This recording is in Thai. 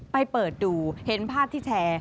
เปิดดูเห็นภาพที่แชร์